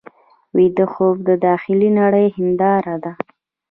ویده خوب د داخلي نړۍ هنداره ده